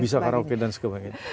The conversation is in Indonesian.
bisa karaoke dan sebagainya